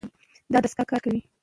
دا دستګاه کار کوي.